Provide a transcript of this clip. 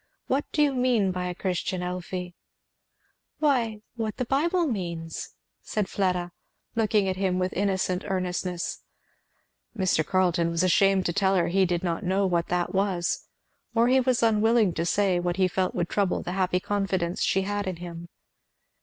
"What do you mean by a Christian, Elfie?" "Why, what the Bible means," said Fleda, looking at him with innocent earnestness. Mr. Carleton was ashamed to tell her he did not know what that was, or he was unwilling to say what he felt would trouble the happy confidence she had in him.